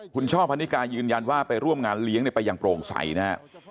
คุณช่อพันนิกายืนยันว่าไปร่วมงานเลี้ยงไปอย่างโปร่งใสนะฮะ